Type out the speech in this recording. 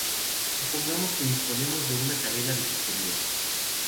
Supongamos que disponemos de una cadena de pizzerías.